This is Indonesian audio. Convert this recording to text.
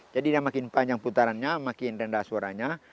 jadi dia makin panjang putarannya makin rendah suaranya